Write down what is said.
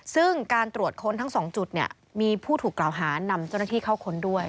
ซึ่งการตรวจค้นทั้ง๒จุดเนี่ยมีผู้ถูกกล่าวหานำเจ้าหน้าที่เข้าค้นด้วย